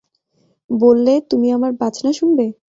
বললে, তুমি আমার বাজনা শুনবে?